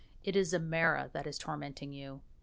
It is a mara that is tormenting you.